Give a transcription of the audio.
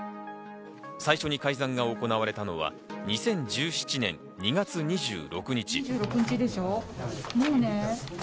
最初に改ざんが行われたのは２０１７年２月２６日。